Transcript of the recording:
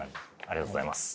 ありがとうございます。